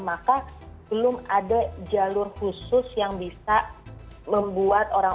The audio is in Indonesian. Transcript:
maka belum ada jalur khusus yang bisa membuat orang